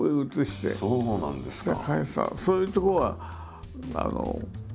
そういうとこは。